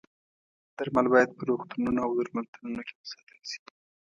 درمل باید په روغتونونو او درملتونونو کې وساتل شي.